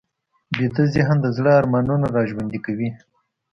ویده ذهن د زړه ارمانونه راژوندي کوي